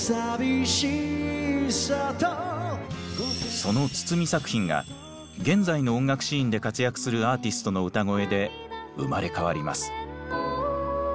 その筒美作品が現在の音楽シーンで活躍するアーティストの歌声で生まれ変わります。